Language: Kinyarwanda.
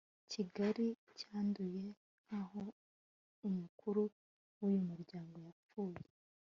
gikari cyanduye nkaho umukuru wuyu muryango yapfuye